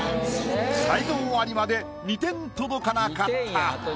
才能アリまで２点届かなかった。